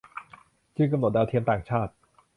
จึงกำหนดดาวเทียมต่างชาติ